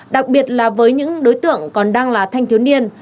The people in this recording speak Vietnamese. đặc biệt là với những đối tượng còn đang là thanh thiếu niên